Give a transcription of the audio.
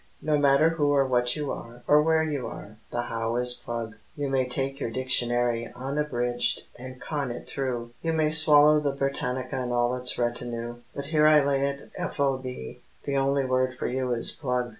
No matter who or what you are, or where you are, the how Is plug. You may take your dictionary, unabridged, and con it through, You may swallow the Britannica and all its retinue, But here I lay it f. o. b. the only word for you Is plug.